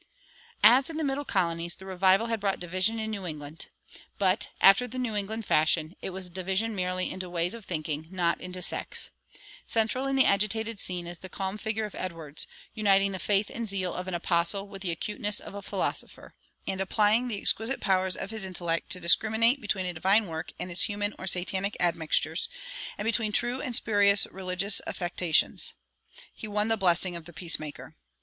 As in the middle colonies, the revival had brought division in New England. But, after the New England fashion, it was division merely into ways of thinking, not into sects. Central in the agitated scene is the calm figure of Edwards, uniting the faith and zeal of an apostle with the acuteness of a philosopher, and applying the exquisite powers of his intellect to discriminate between a divine work and its human or Satanic admixtures, and between true and spurious religious affections. He won the blessing of the peacemaker.